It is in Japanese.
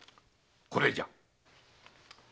これじゃ。